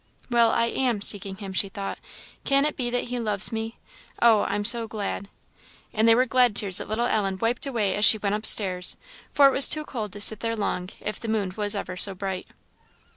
"Well, I am seeking Him," she thought "can it be that he loves me! Oh, I'm so glad!" And they were glad tears that little Ellen wiped away as she went upstairs, for it was too cold to sit there long, if the moon was ever so bright.